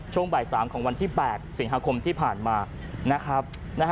ช่วงบ่าย๓ของวันที่๘สิงหาคมที่ผ่านมานะครับ